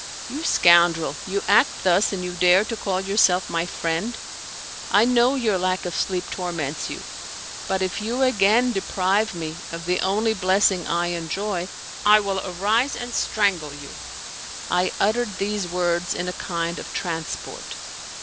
"You scoundrel! You act thus and you dare to call yourself my friend! I know your lack of sleep torments you, but if you again deprive me of the only blessing I enjoy I will arise and strangle you." I uttered these words in a kind of transport.